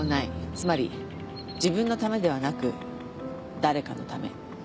つまり自分のためではなく誰かのため。